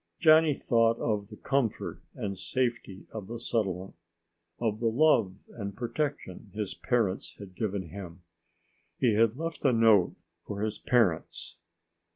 Johnny thought of the comfort and safety of the settlement, of the love and protection his parents had given him. He had left a note for his parents.